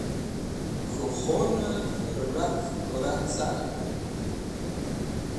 k̃hũ khun-e zarũrates̃h pura caren.